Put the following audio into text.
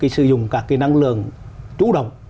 sử dụng cả cái năng lượng chủ động